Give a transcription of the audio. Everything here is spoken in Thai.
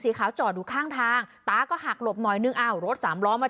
ขาวจอดอยู่ข้างทางตาก็หักหลบหน่อยนึงอ้าวรถสามล้อมา